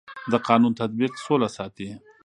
د قانون تطبیق سوله ساتي